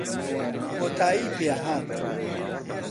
کۆتایی پێهات